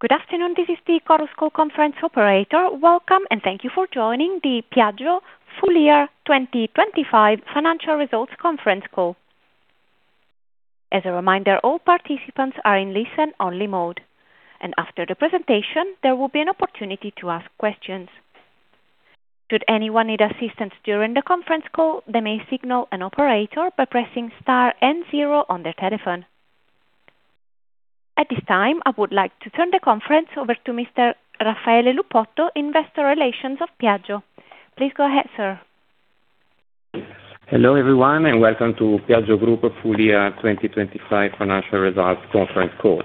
Good afternoon. This is the Chorus Call Conference Operator. Welcome. Thank you for joining the Piaggio Full Year 2025 Financial Results Conference Call. As a reminder, all participants are in listen-only mode, and after the presentation, there will be an opportunity to ask questions. Should anyone need assistance during the conference call, they may signal an operator by pressing star and 0 on their telephone. At this time, I would like to turn the conference over to Mr. Raffaele Lupotto, investor relations of Piaggio. Please go ahead, sir. Hello, everyone, and welcome to Piaggio Group Full Year 2025 Financial Results Conference Call.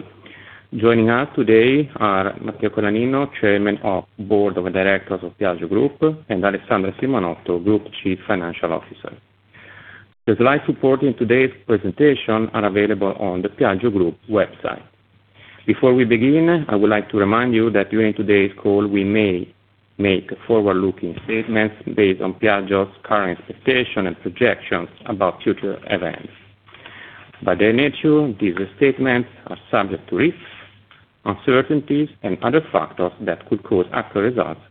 Joining us today are Matteo Colaninno, Chairman of Board of Directors of Piaggio Group, and Alessandra Simonotto, Group Chief Financial Officer. The slide support in today's presentation are available on the Piaggio Group website. Before we begin, I would like to remind you that during today's call, we may make forward-looking statements based on Piaggio's current expectations and projections about future events. By their nature, these statements are subject to risks, uncertainties, and other factors that could cause actual results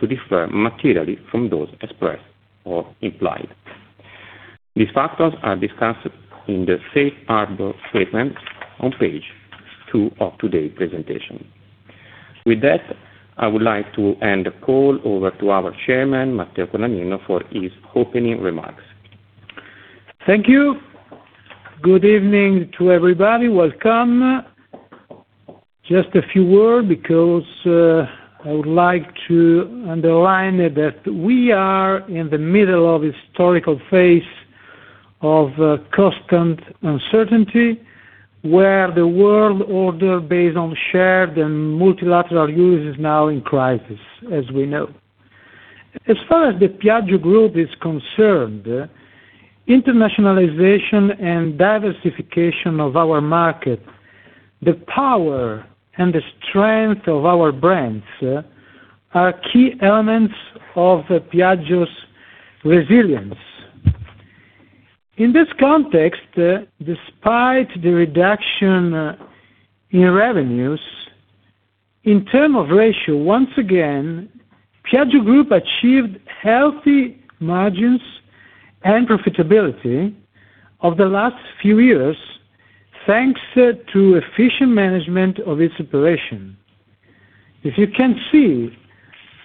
to differ materially from those expressed or implied. These factors are discussed in the safe harbor statement on page 2 of today's presentation. With that, I would like to hand the call over to our Chairman, Matteo Colaninno, for his opening remarks. Thank you. Good evening to everybody. Welcome. Just a few words because, I would like to underline that we are in the middle of a historical phase of constant uncertainty, where the world order based on shared and multilateral use is now in crisis, as we know. As far as the Piaggio Group is concerned, internationalization and diversification of our market, the power and the strength of our brands, are key elements of Piaggio's resilience. In this context, despite the reduction in revenues, in term of ratio, once again, Piaggio Group achieved healthy margins and profitability of the last few years, thanks to efficient management of its operation. If you can see,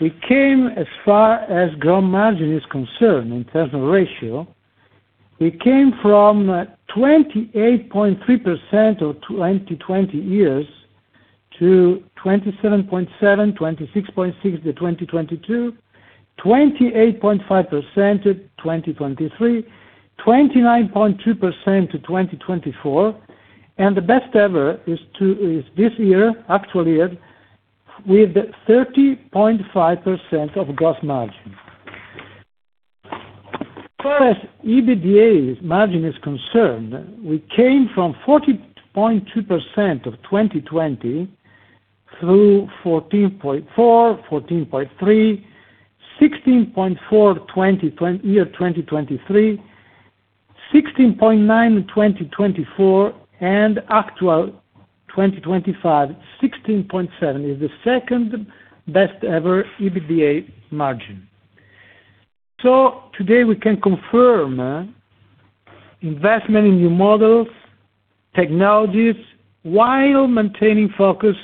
we came as far as gross margin is concerned in terms of ratio. We came from 28.3% of 2020 to 27.7%, 26.6% to 2022, 28.5% to 2023, 29.2% to 2024, and the best ever is this year, actual year, with 30.5% of gross margin. As far as EBITDA's margin is concerned, we came from 14.2% of 2020 through 14.4%, 14.3%, 16.4% year 2023, 16.9% in 2024, and actual 2025, 16.7% is the second best ever EBITDA margin. Today we can confirm investment in new models, technologies, while maintaining focus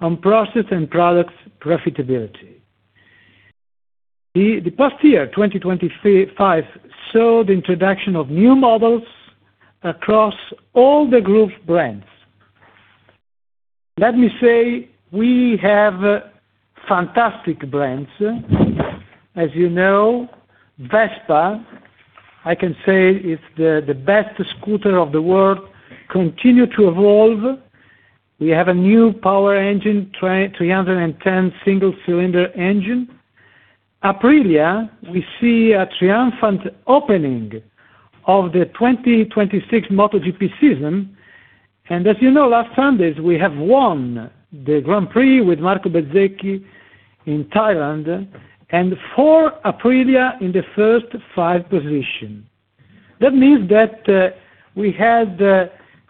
on process and products profitability. The past year, 2025, saw the introduction of new models across all the group's brands. Let me say we have fantastic brands. As you know, Vespa, I can say it's the best scooter of the world, continue to evolve. We have a new power engine, 310 single-cylinder engine. Aprilia, we see a triumphant opening of the 2026 MotoGP season. As you know, last Sundays, we have won the Grand Prix with Marco Bezzecchi in Thailand and 4 Aprilia in the first 5 position. That means that we had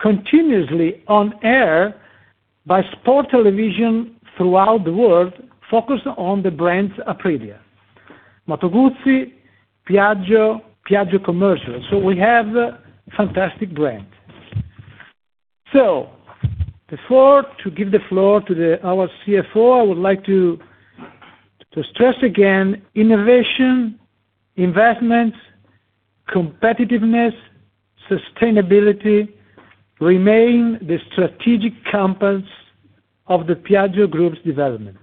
continuously on air by sport television throughout the world, focused on the brands Aprilia. Moto Guzzi, Piaggio Commercial. We have fantastic brands. Before to give the floor to our CFO, I would like to stress again, innovation, investment, competitiveness, sustainability remain the strategic compass of the Piaggio Group's development.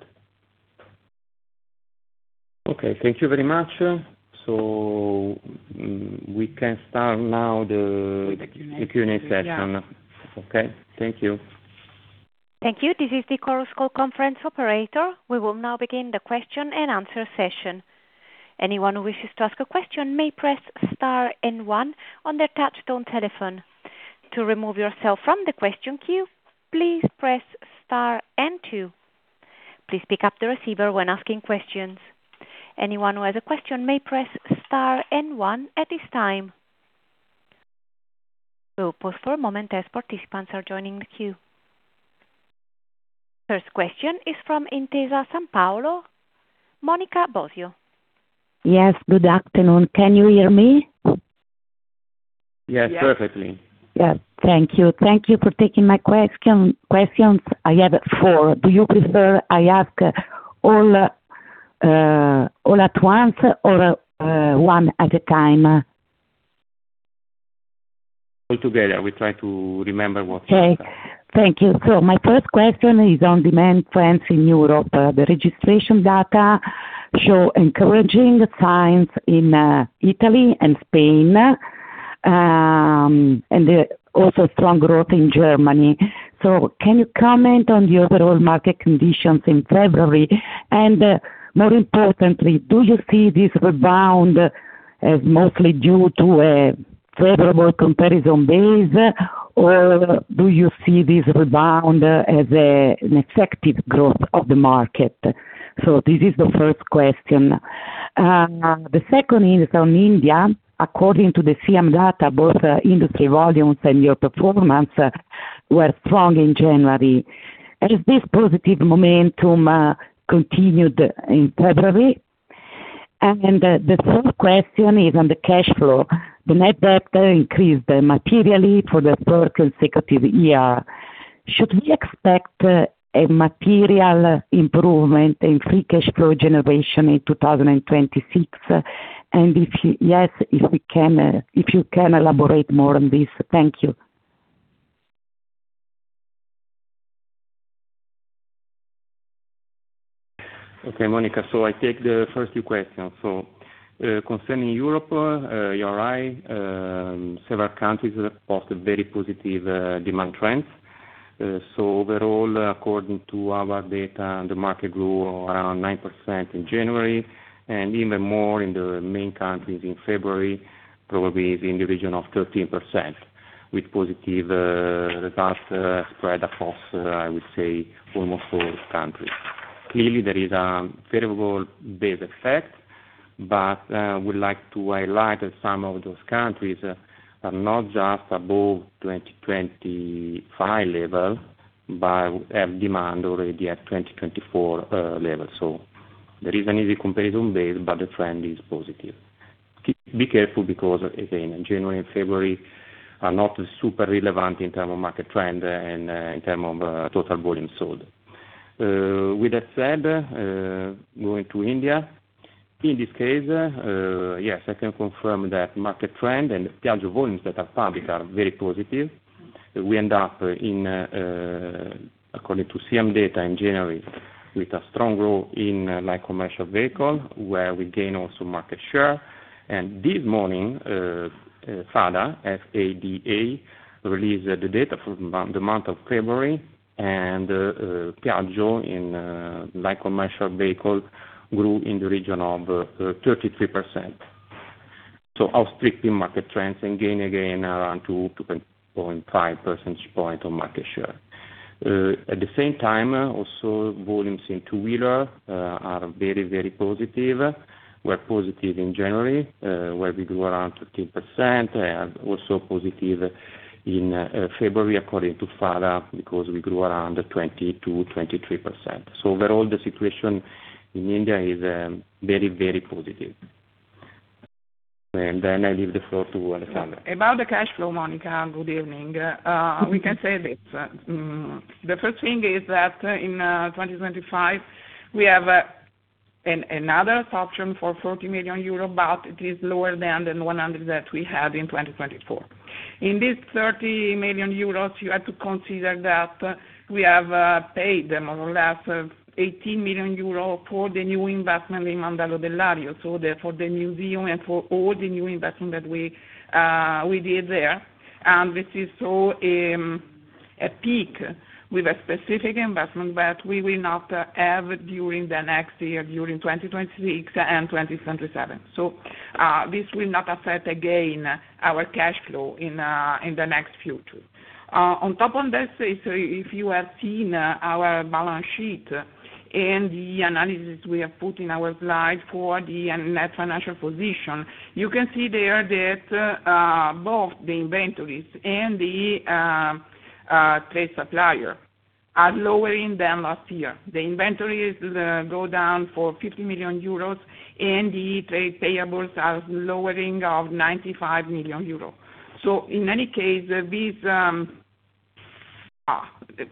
Okay, thank you very much. We can start now. With the Q&A... the Q&A session. Yeah. Okay, thank you. Thank you. This is the Chorus Call Conference Operator. We will now begin the Q&A session. Anyone who wishes to ask a question may press star and one on their touchtone telephone. To remove yourself from the question queue, please press star and 2. Please pick up the receiver when asking questions. Anyone who has a question may press star and 1 at this time. We'll pause for a moment as participants are joining the queue. First question is from Intesa Sanpaolo, Monica Bosio. Yes, good afternoon. Can you hear me? Yes, perfectly. Yes. Thank you. Thank you for taking my questions. I have 4. Do you prefer I ask all at once or one at a time? All together. We try to remember. Okay. Thank you. My first question is on demand trends in Europe. The registration data show encouraging signs in Italy and Spain, and also strong growth in Germany. Can you comment on the overall market conditions in February? More importantly, do you see this rebound as mostly due to a favorable comparison base, or do you see this rebound as an effective growth of the market? This is the first question. The second is on India. According to the CM data, both industry volumes and your performance were strong in January. Has this positive momentum continued in February? The third question is on the cash flow. The net debt increased materially for the third consecutive year. Should we expect a material improvement in free cash flow generation in 2026? If yes, if we can, if you can elaborate more on this. Thank you. Okay, Monica. I take the first 2 questions. Concerning Europe, you're right. Several countries posted very positive demand trends. Overall, according to our data, the market grew around 9% in January, and even more in the main countries in February, probably in the region of 13%, with positive results spread across, I would say, almost all countries. Clearly, there is a favorable base effect, but we'd like to highlight that some of those countries are not just above 2025 level, but have demand already at 2024 level. There is an easy comparison base, but the trend is positive. Be careful because, again, January and February are not super relevant in terms of market trend and in terms of total volume sold. With that said, moving to India. In this case, yes, I can confirm that market trend and Piaggio volumes that are public are very positive. We end up in, according to CM data in January, with a strong growth in light commercial vehicle, where we gain also market share. This morning, FADA, F-A-D-A, released the data for the month of February, Piaggio in light commercial vehicle grew in the region of 33%. Outstripping market trends and gain, again, around 2-2.5 percentage points on market share. At the same time, also volumes in 2-wheeler are very, very positive. Were positive in January, where we grew around 13%, and also positive in February, according to FADA, because we grew around 22-23%. Overall, the situation in India is very, very positive. I leave the floor to Alessandra. About the cash flow, Monica, good evening. We can say this. The first thing is that in 2025, we have another option for 40 million euro, but it is lower than the 100 million that we had in 2024. In this 30 million euros, you have to consider that we have paid more or less of 80 million euro for the new investment in Mandello del Lario. Therefore the new deal and for all the new investment that we did there, and which is so a peak with a specific investment that we will not have during the next year, during 2026 and 2027. This will not affect again our cash flow in the next future. On top of this, if you have seen our balance sheet and the analysis we have put in our slide for the net financial position, you can see there that both the inventories and the trade supplier are lowering than last year. The inventories go down for 50 million euros and the trade payables are lowering of 95 million euros. In any case,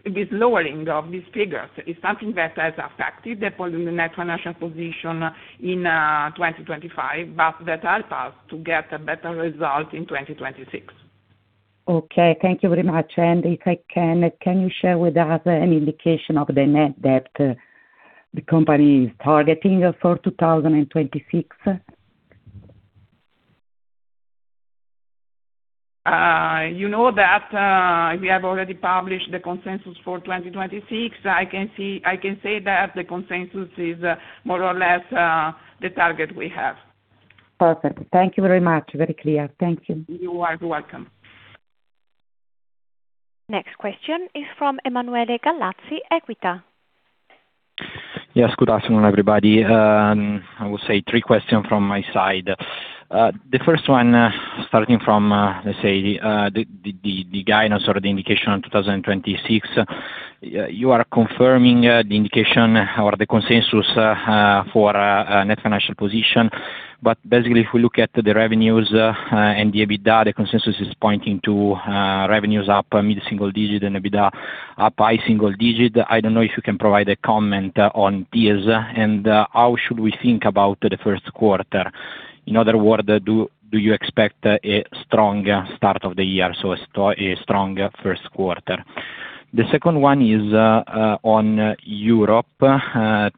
this lowering of these figures is something that has affected the net financial position in 2025, but that help us to get a better result in 2026. Okay, thank you very much. If I can you share with us an indication of the net debt the company is targeting for 2026? you know that, we have already published the consensus for 2026. I can say that the consensus is more or less, the target we have. Perfect. Thank you very much. Very clear. Thank you. You are welcome. Next question is from Emanuele Gallazzi, Equita. Yes, good afternoon, everybody. I will say 3 question from my side. The first one, starting from, let's say, the guidance or the indication on 2026. You are confirming the indication or the consensus for net financial position. Basically, if we look at the revenues and the EBITDA, the consensus is pointing to revenues up mid-single digit and EBITDA up by single digit. I don't know if you can provide a comment on deals, and how should we think about the Q1? In other word, do you expect a strong start of the year, so a strong Q1? The second one is on Europe.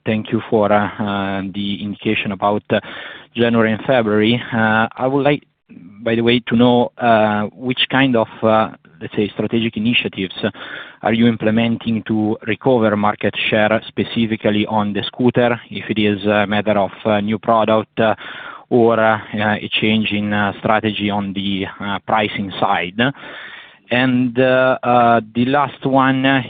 Thank you for the indication about January and February. I would like, by the way, to know which kind of, let's say, strategic initiatives are you implementing to recover market share, specifically on the scooter, if it is a matter of new product, or a change in strategy on the pricing side. The last one is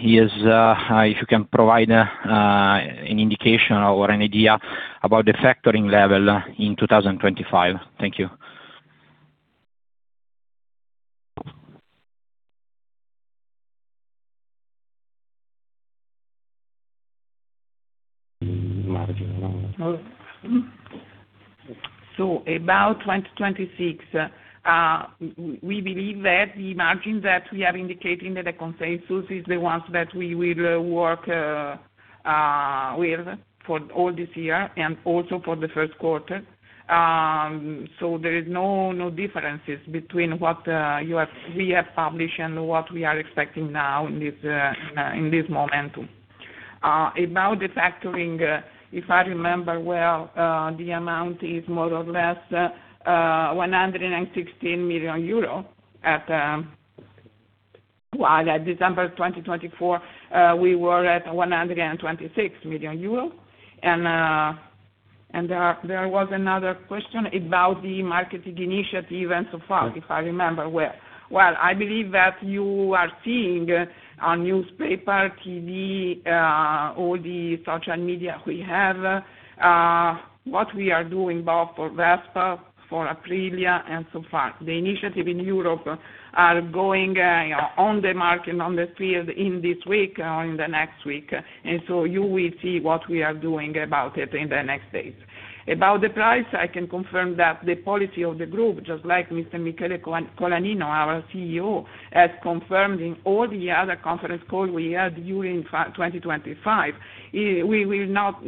if you can provide an indication or an idea about the factoring level in 2025. Thank you. Margin. About 2026, we believe that the margin that we are indicating that the consensus is the ones that we will work with for all this year and also for the Q1. There is no differences between what we have published and what we are expecting now in this momentum. About the factoring, if I remember well, the amount is more or less 116 million euro at, well, at December 2024, we were at 126 million euros. There was another question about the marketing initiative and so far, if I remember well. Well, I believe that you are seeing on newspaper, TV, all the social media we have, what we are doing both for Vespa, for Aprilia and so far. The initiative in Europe are going on the market, on the field in this week or in the next week. You will see what we are doing about it in the next days. About the price, I can confirm that the policy of the group, just like Mr. Michele Colaninno, our CEO, has confirmed in all the other conference call we had during 2025, we will not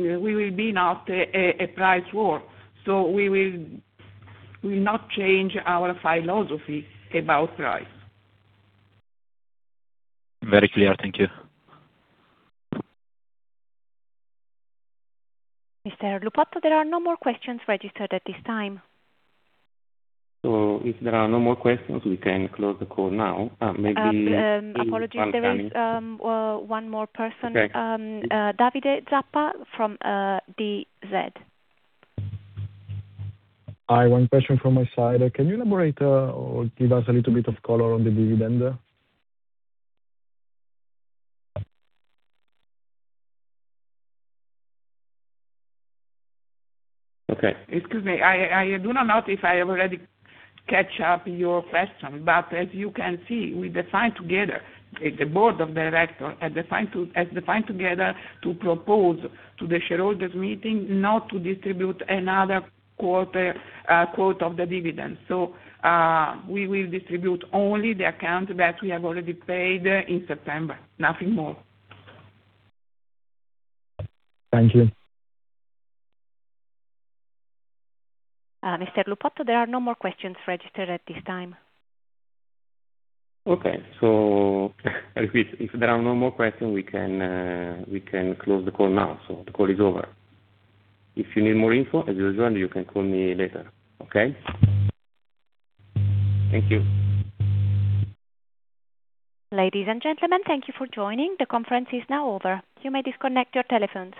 be a price war. We will not change our philosophy about price. Very clear. Thank you. Mr. Lupotto, there are no more questions registered at this time. If there are no more questions, we can close the call now. Apologies. There is one more person. Okay. Davide Zappa from DZ. Hi. One question from my side. Can you elaborate, or give us a little bit of color on the dividend? Okay. Excuse me. I do not know if I already catch up your question, but as you can see, we defined together, the board of director has defined together to propose to the shareholders meeting not to distribute another quarter quote of the dividend. We will distribute only the account that we have already paid in September. Nothing more. Thank you. Mr. Lupotto, there are no more questions registered at this time. Okay. I repeat. If there are no more questions, we can close the call now. The call is over. If you need more info, as usual, you can call me later, okay? Thank you. Ladies and gentlemen, thank you for joining. The conference is now over. You may disconnect your telephones.